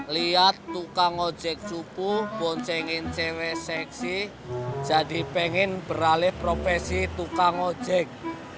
lihat tukang ojek cupuh boncengin cewek seksi jadi pengen beralih profesi tukang ojek